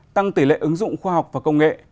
tăng tỷ lệ ứng dụng khoa học và công nghệ